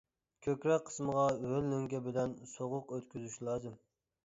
كۆكرەك قىسمىغا ھۆل لۆڭگە بىلەن سوغۇق ئۆتكۈزۈش لازىم.